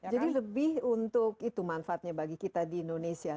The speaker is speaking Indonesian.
jadi lebih untuk itu manfaatnya bagi kita di indonesia